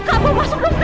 kamu masuk rumah